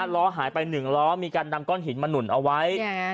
ล้อหายไป๑ล้อมีการนำก้อนหินมาหนุนเอาไว้